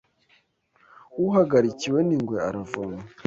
Uhagarikiwe n'ingwe aravoma